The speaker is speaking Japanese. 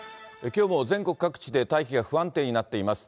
きょうも全国各地で大気が不安定になっています。